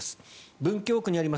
文京区にあります